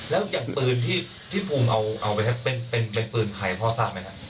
แล้วอย่างปืนที่ภูมิเอาไปเป็นปืนใครพ่อทราบไหมครับ